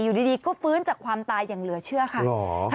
อยู่ดีก็ฟื้นจากความตายอย่างเหลือเชื่อค่ะ